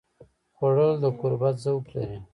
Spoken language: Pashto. خوړل د قربت ذوق لري